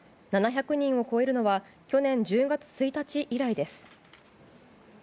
７００人を超えるのは去年１０月１日以来です。